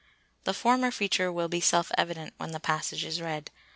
The former feature will be self evident when the passage is read.